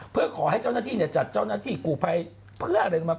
เพื่อขอให้เจ้าหน้าที่เนี่ยจัดเจ้าหน้าที่กูภัยเพื่ออะไรลงมา